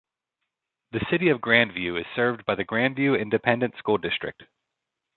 The City of Grandview is served by the Grandview Independent School District.